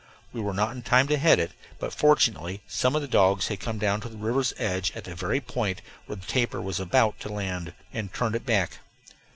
We were not in time to head it, but fortunately some of the dogs had come down to the river's edge at the very point where the tapir was about to land, and turned it back.